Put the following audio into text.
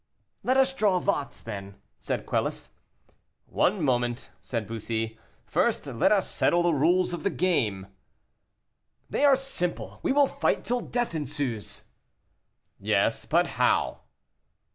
"Let us draw lots then," said Quelus. "One moment," said Bussy, "first let us settle the rules of the game." "They are simple; we will fight till death ensues!" "Yes, but how?"